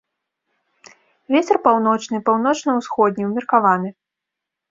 Вецер паўночны, паўночна-ўсходні ўмеркаваны.